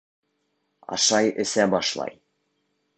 Ашай-эсә башлай.